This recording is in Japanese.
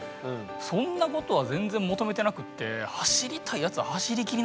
そんなことは全然求めてなくって走りたいやつは走り切りなはれみたいな。